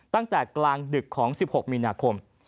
ตั้งแต่กลางดึกของ๑๖มีนาคม